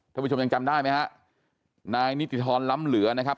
ท่านผู้ชมยังจำได้ไหมฮะนายนิติธรรมล้ำเหลือนะครับ